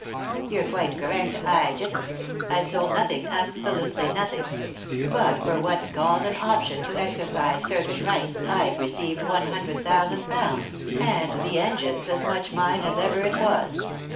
"You're quite correct ; I didn't. I've sold nothing, absolutely nothing; but for what's called an 'option' to exercise certain rights I've received one hundred thousand pounds, and the engine's as much mine as ever it was.